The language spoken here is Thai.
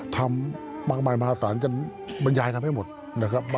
ทำมากมายมหาศาลกันบรรยายทำให้หมดนะครับ